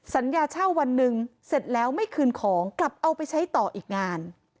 สัญญาเช่าวันหนึ่งเสร็จแล้วไม่คืนของกลับเอาไปใช้ต่ออีกงาน